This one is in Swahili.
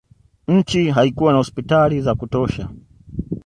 nchi haikuwa na hospitali za kutosha